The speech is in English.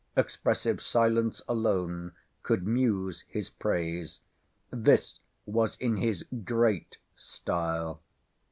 Expressive silence alone could muse his praise. This was in his great style.